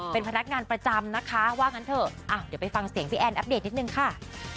เป็นพนักงานประจำนะคะว่างั้นเถอะเดี๋ยวไปฟังเสียงพี่แอนอัปเดตนิดนึงค่ะ